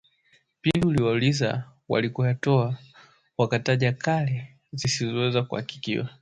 Pindi ulipowauliza walikoyatoa, walitaja kale zisizoweza kuhakikiwa